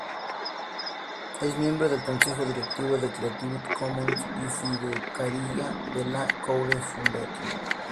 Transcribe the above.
Es miembro del consejo directivo de Creative Commons y fiduciaria de la Courage Foundation.